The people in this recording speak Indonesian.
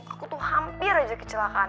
aku tuh hampir aja kecelakaan